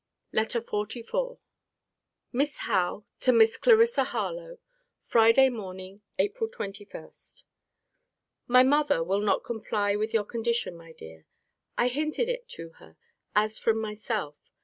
LETTER XLIV MISS HOWE, TO MISS CLARISSA HARLOWE FRIDAY MORNING, APRIL 21. My mother will not comply with your condition, my dear. I hinted it to her, as from myself.